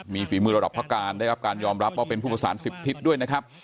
มีฝีมือระดับพระการได้รับการยอมรับว่าเป็นผู้ประสานสิทธิด้วยนะครับ